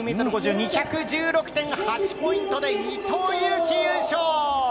２１６．８ポイントで伊藤有希優勝！